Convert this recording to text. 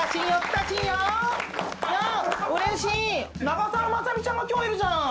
長澤まさみちゃんが今日いるじゃん。